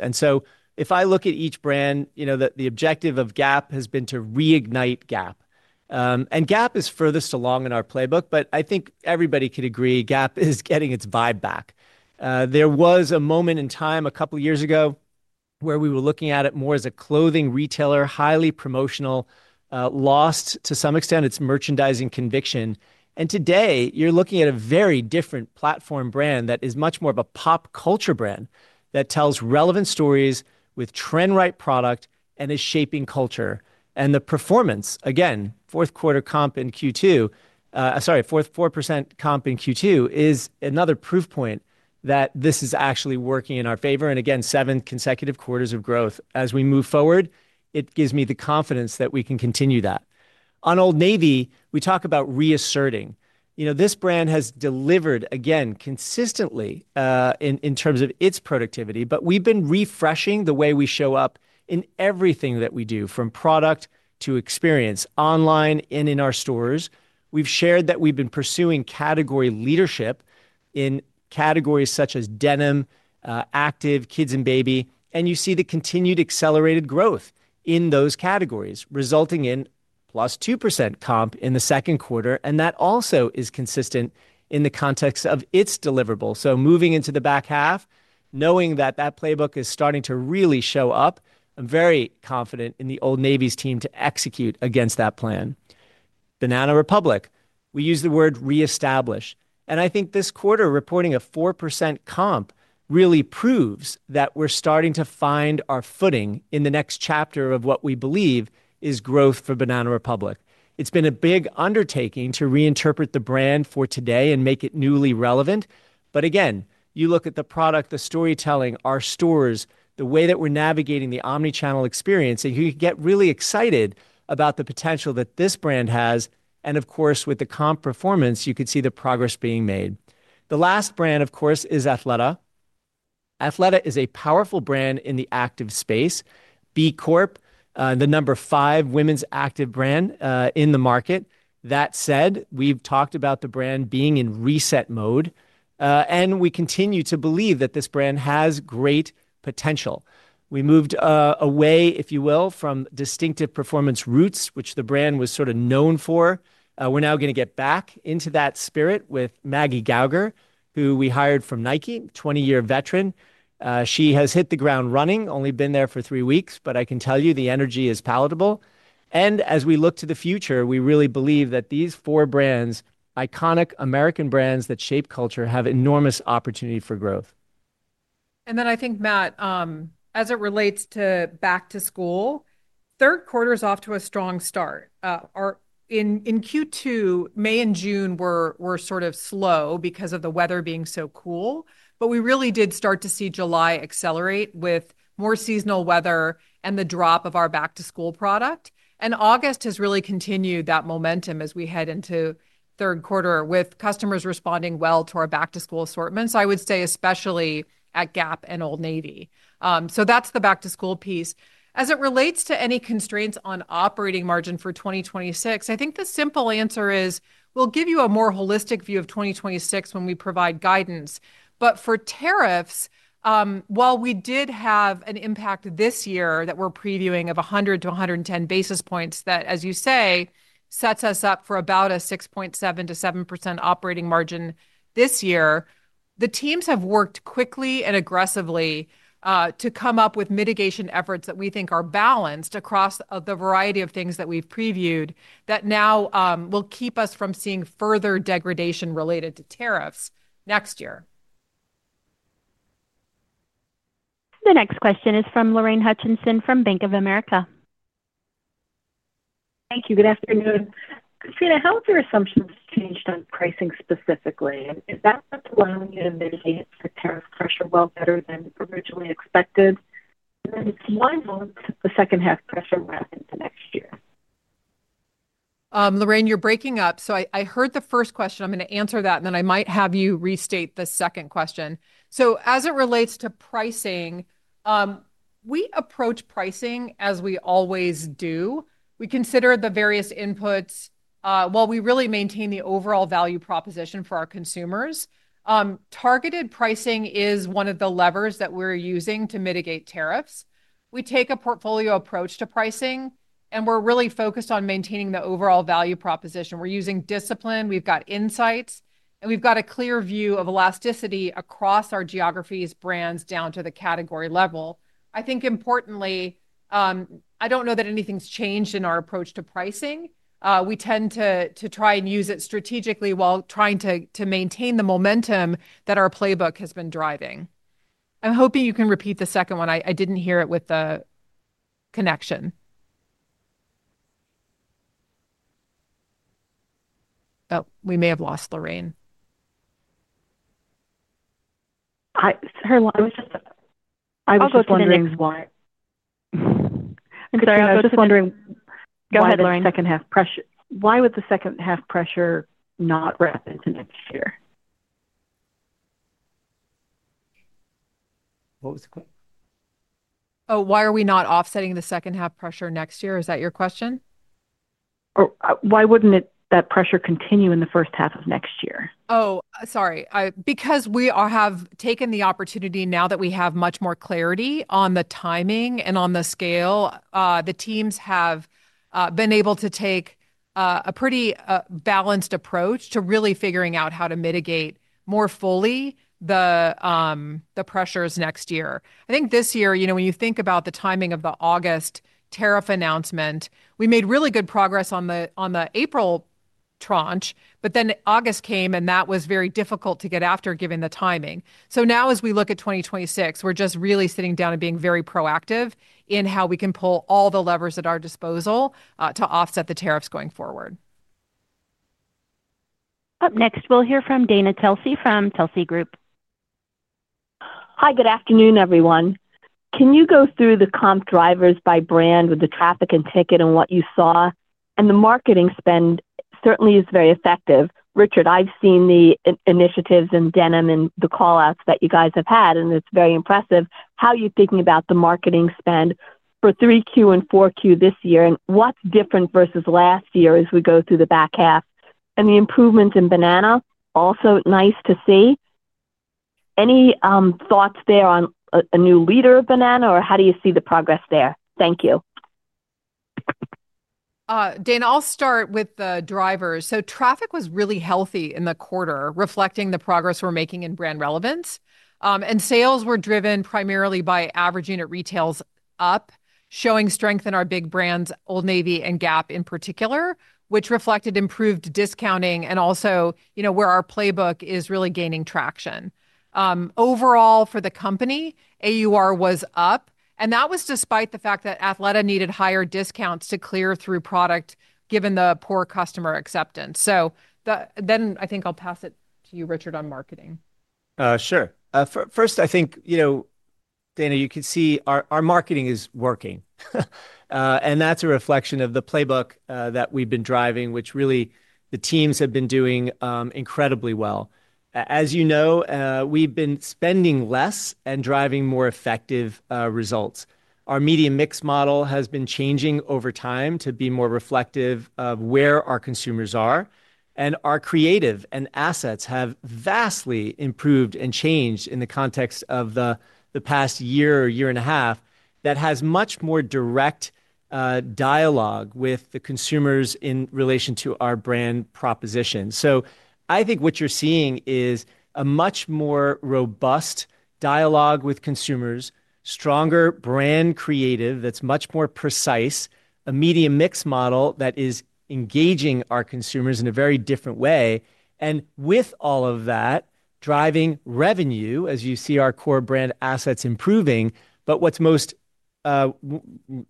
If I look at each brand, the objective of Gap has been to reignite Gap and Gap is furthest along in our playbook. I think everybody could agree Gap is getting its vibe back. There was a moment in time a couple years ago where we were looking at it more as a clothing retailer, highly promotional, lost to some extent its merchandising conviction. Today you're looking at a very different platform brand that is much more of a pop culture brand that tells relevant stories with trend right product and is shaping culture and the performance again. 4% comp in Q2 is another proof point that this is actually working in our favor. Again, seven consecutive quarters of growth as we move forward gives me the confidence that we can continue that. On Old Navy, we talk about reasserting, this brand has delivered again consistently in terms of its productivity. We've been refreshing the way we show up in everything that we do from product to experience online and in our stores. We've shared that we've been pursuing category leadership in categories such as Denim, Active, Kids and Baby. You see the continued accelerated growth in those categories resulting in +2% comp in the second quarter. That also is consistent in the context of its deliverable. Moving into the back half, knowing that that playbook is starting to really show up, I'm very confident in the Old Navy's team to execute against that plan. Banana Republic, we use the word reestablish and I think this quarter reporting a 4% comp really proves that we're starting to find our footing in the next chapter of what we believe is growth. For Banana Republic, it's been a big undertaking to reinterpret the brand for today and make it newly relevant. You look at the product, the storytelling, our stores, the way that we're navigating the omnichannel experience that you get really excited about the potential that this brand has. With the comp performance, you could see the progress being made. The last brand, of course, is Athleta. Athleta is a powerful brand in the active space. B Corp, the number five women's active brand in the market. That said, we've talked about the brand being in reset mode, and we continue to believe that this brand has great potential. We moved away, if you will, from distinctive performance roots, which the brand was sort of known for. We're now going to get back into that spirit with Maggie Gauger, who we hired from Nike, 20-year veteran. She has hit the ground running. Only been there for three weeks, but I can tell you the energy is palatable. As we look to the future, we really believe that these four brands, iconic American brands that shape culture, have enormous opportunity for growth. I think, Matt, as it relates to back to school, third quarter's off to a strong start in Q2. May and June were sort of slow because of the weather being so cool, but we really did start to see July accelerate with more seasonal weather and the drop of our back to school product. August has really continued that momentum. As we head into third quarter with customers responding well to our back to school assortments, I would say, especially at Gap and Old Navy. That's the back to school piece as it relates to any constraints on operating margin for 2026. The simple answer is we'll give you a more holistic view of 2026 when we provide guidance. For tariffs, while we did have an impact this year that we're previewing of 100-110 basis points, that, as you say, sets us up for about a 6.7%-7% operating margin this year. The teams have worked quickly and aggressively to come up with mitigation efforts that we think are balanced across the variety of things that we've previewed that now will keep us from seeing further degradation related to tariffs next year. The next question is from Lorraine Hutchinson from Bank of America. Thank you. Good afternoon. Katrina, how has your assumptions changed on pricing, specifically that allowing you to mitigate tariff pressure? It's better than originally expected. It's lined with the second half pressure. Lorraine, you're breaking up. I heard the first question. I'm going to answer that and then I might have you restate the second question. As it relates to pricing, we approach pricing as we always do. We consider the various inputs while we really maintain the overall value proposition for our consumers. Targeted pricing is one of the levers that we're using to mitigate tariffs. We take a portfolio approach to pricing and we're really focused on maintaining the overall value proposition. We're using discipline. We've got insights and we've got a clear view of elasticity across our geographies, brands, down to the category level. I think importantly, I don't know that anything's changed in our approach to pricing. We tend to try and use it strategically while trying to maintain the momentum that our playbook has been driving. I'm hoping you can repeat the second one. I didn't hear it. With the connection, we may have lost. Lorraine. I'm sorry, I was just wondering. Go ahead, Lorraine. Second half pressure. Why would the second half pressure not wrap into next year? What was the question? Oh, why are we not offsetting the second half pressure next year? Is that your question? Why wouldn't that pressure continue in the first half of next year? Sorry. Because we have taken the opportunity now that we have much more clarity on the timing and on the scale, the teams have been able to take a pretty balanced approach to really figuring out how to mitigate more fully the pressures next year. I think this year, you know, when you think about the timing of the August tariff announcement, we made really good progress on the April tranche, but then August came and that was very difficult to get after given the timing. Now as we look at 2026, we're just really sitting down and being very proactive in how we can pull all the levers at our disposal to offset the tariffs going forward. Up next we'll hear from Dana Telsey from Telsey Advisory Group. Hi, good afternoon everyone. Can you go through the comp drivers by brand with the traffic and ticket and what you saw and the marketing spend certainly is very effective. Richard, I've seen the initiatives in denim and the call outs that you guys have had and it's very impressive. How are you thinking about the marketing spend for 3Q and 4Q this year and what's different versus last year as we go through the back half and the improvements in Banana Republic? Also nice to see. Any thoughts there on a new leader Banana Republic or how do you see the progress there? Thank you. Dana, I'll start with the drivers. Traffic was really healthy in the quarter, reflecting the progress we're making in brand relevance, and sales were driven primarily by average unit retails up, showing strength in our big brands, Old Navy and Gap in particular, which reflected improved discounting and also where our playbook is really gaining traction overall for the company. AUR was up, and that was despite the fact that Athleta needed higher discounts to clear through product given the poor customer acceptance. I think I'll pass it to you, Richard, on marketing. Sure. First, I think you know, Dana, you can see our marketing is working and that's a reflection of the playbook that we've been driving, which really the teams have been doing incredibly well. As you know, we've been spending less and driving more effective results. Our media mix model has been changing over time to be more reflective of where our consumers are, and our creative and assets have vastly improved and changed in the context of the past year or year and a half. That has much more direct dialogue with the consumers in relation to our brand proposition. I think what you're seeing is a much more robust dialogue with consumers, stronger brand creative that's much more precise, a media mix model that is engaging our consumers in a very different way, and with all of that driving revenue as you see our core brand assets improving. What's most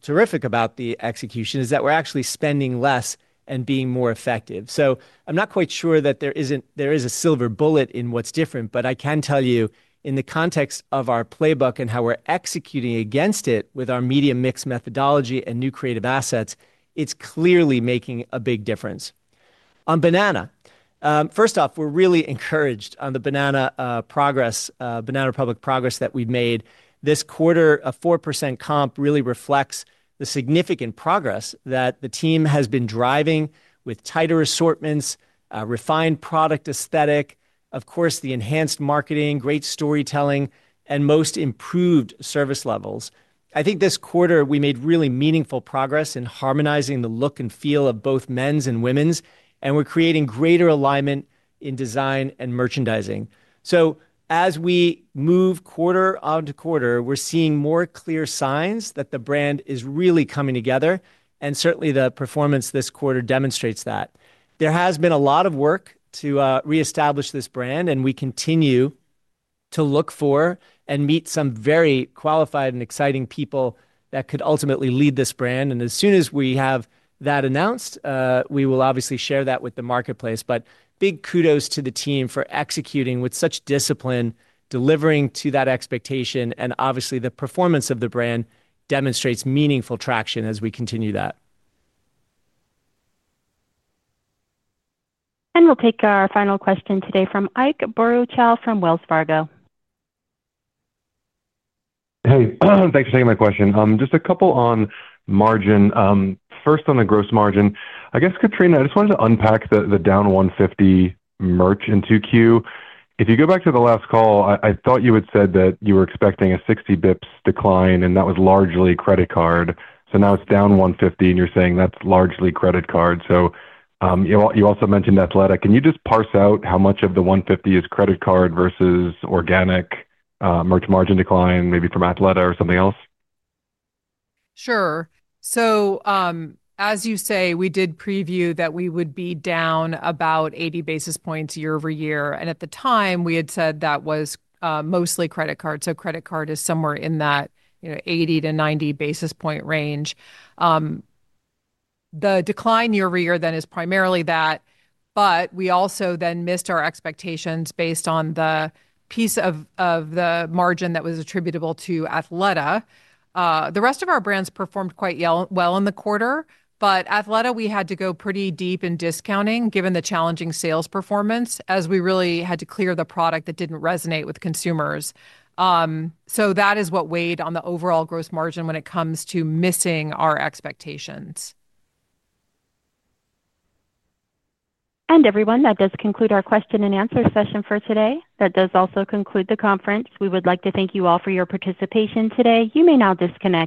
terrific about the execution is that we're actually spending less and being more effective. I'm not quite sure that there is a silver bullet in what's different, but I can tell you in the context of our playbook and how we're executing against it with our media mix methodology and new creative assets, it's clearly making a big difference. On Banana, first off, we're really encouraged on the Banana Republic progress that we've made this quarter. A 4% comp really reflects the significant progress that the team has been driving with tighter assortments, refined product aesthetic, of course, the enhanced marketing, great storytelling, and most improved service levels. I think this quarter we made really meaningful progress in harmonizing the look and feel of both men's and women's, and we're creating greater alignment in design and merchandising. As we move quarter onto quarter, we're seeing more clear signs that the brand is really coming together. Certainly, the performance this quarter demonstrates that there has been a lot of work to reestablish this brand, and we continue to look for and meet some very qualified and exciting people that could ultimately lead this brand. As soon as we have that announced, we will obviously share that with the marketplace. Big kudos to the team for executing with such discipline, delivering to that expectation. Obviously, the performance of the brand demonstrates meaningful traction as we continue that. We'll take our final question today from Ike Boruchow from Wells Fargo. Hey, thanks for taking my question. Just a couple on margin. First on the gross margin, I guess. Katrina, I just wanted to unpack the down 150 merch in 2Q. If you go back to the last. Call, I thought you had said. You were expecting a 60 bps decline and that was largely credit card. Now it's down 150 and you're saying that's largely credit card. You also mentioned Athleta. Can you just parse out how much of the 150 is credit card versus organic merch margin decline, maybe from Athleta or something else? Sure. As you say, we did preview that we would be down about 80 basis points year over year, and at the time we had said that was mostly credit card. Credit card is somewhere in that 80-90 basis point range. The decline year over year is primarily that. We also missed our expectations based on the piece of the margin that was attributable to Athleta. The rest of our brands performed quite well in the quarter. Athleta, we had to go pretty deep in discounting given the challenging sales performance as we really had to clear the product that didn't resonate with consumers. That is what weighed on the overall gross margin when it comes to missing our expectations. That does conclude our question and answer session for today. That does also conclude the conference. We would like to thank you all for your participation today. You may now disconnect.